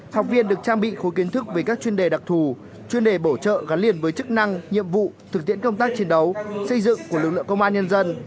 học viên được trang bị khối kiến thức về các chuyên đề đặc thù chuyên đề bổ trợ gắn liền với chức năng nhiệm vụ thực tiễn công tác chiến đấu xây dựng của lực lượng công an nhân dân